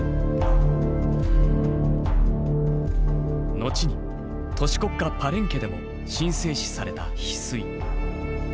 後に都市国家パレンケでも神聖視されたヒスイ。